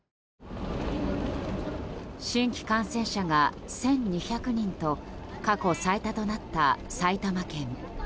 新規感染者が１２００人と過去最多となった埼玉県。